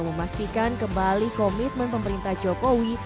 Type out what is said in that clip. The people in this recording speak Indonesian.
memastikan kembali komitmen pemerintah jokowi